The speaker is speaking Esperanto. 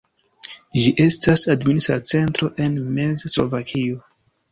Ĝi estas administra centro en Mez-Slovakio.